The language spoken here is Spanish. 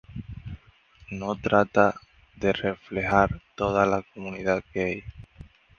No trata de reflejar toda la comunidad gay".